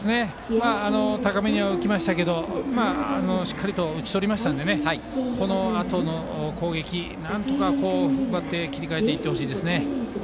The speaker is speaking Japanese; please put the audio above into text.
高めには浮きましたがしっかりと打ち取りましたのでこのあとの攻撃なんとか踏ん張って切り替えていってほしいです。